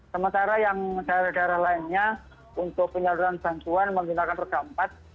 sementara yang daerah daerah lainnya untuk penyaluran bantuan menggunakan roda empat